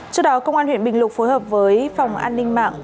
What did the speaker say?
trước đó công an huyện bình lục phối hợp với phòng an ninh mạng